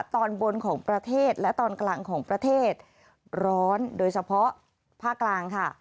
ตอนบนของประเทศและตอนกลางของประเทศร้อนโดยเฉพาะภาคกลางค่ะ